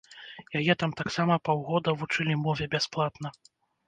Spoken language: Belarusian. Яе там таксама паўгода вучылі мове бясплатна.